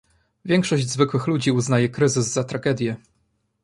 Większość zwykłych ludzi uznaje kryzysy za tragedie